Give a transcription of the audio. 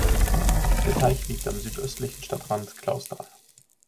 Der Teich liegt am südöstlichen Stadtrand Clausthal.